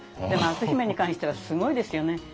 でも篤姫に関してはすごいですよね。